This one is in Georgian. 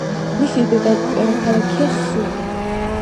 მისი დედაქალაქია სუმი.